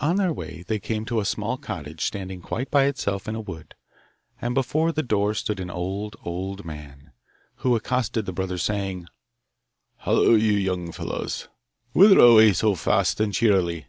On their way they came to a small cottage standing quite by itself in a wood; and before the door stood an old, old man, who accosted the brothers saying, 'Hullo, you young fellows! Whither away so fast and cheerily?